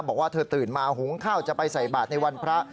บอกว่าเธอตื่นมาหุงข้าวจะไปใส่บาทในวันพระ